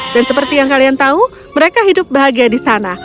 dan seperti yang kalian tahu mereka hidup bahagia di sana